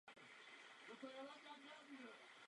Jeho jádro tvoří stejnojmenná rumunská župa.